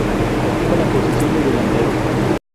Ocupa la posición de delantero.